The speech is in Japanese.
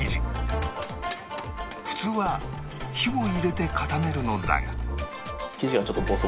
普通は火を入れて固めるのだが